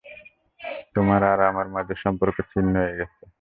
তোমার আর আমার মাঝের সম্পর্ক ছিন্ন হয়ে গেছে।